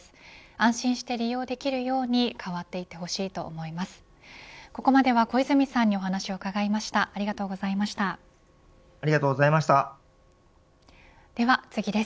安心して利用できるように変わっていってほしいと思います。